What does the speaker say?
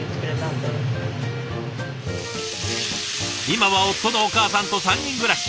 今は夫のお母さんと３人暮らし。